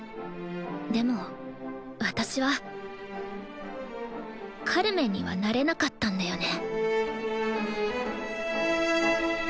でも私はカルメンにはなれなかったんだよね